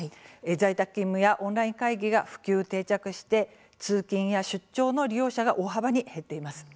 在宅勤務やオンライン会議が普及・定着して通勤や出張の利用者が大幅に減っています。